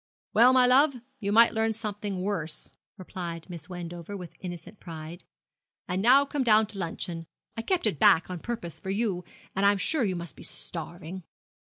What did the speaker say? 'Well, my love, you might learn something worse,' replied Miss Wendover, with innocent pride. 'And now come down to luncheon; I kept it back on purpose for you, and I am sure you must be starving.'